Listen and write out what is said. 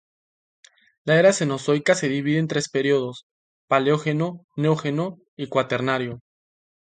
La era Cenozoica se divide en tres periodos: Paleógeno, Neógeno y Cuaternario.